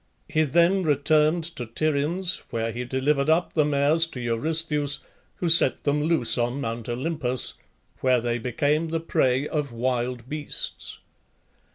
He then returned to Tiryns, where he delivered up the mares to Eurystheus, who set them loose on Mount Olympus, where they became the prey of wild beasts.